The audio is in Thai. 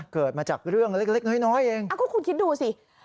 เกิดมาจากเรื่องเล็กเล็กน้อยน้อยเองอ้าวคุณคิดดูสิ